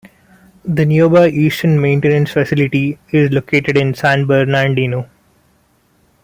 The nearby Eastern Maintenance Facility is located in San Bernardino.